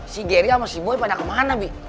si geria sama si boy pada kemana bi